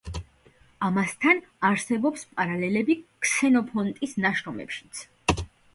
ამასთან, არსებობს პარალელები ქსენოფონტის ნაშრომებშიც.